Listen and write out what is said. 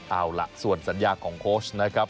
เอาล่ะส่วนสัญญาของโค้ชนะครับ